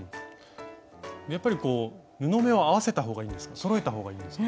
やっぱり布目を合わせた方がいいですか？